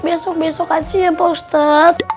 besok besok aja ya pak ustadz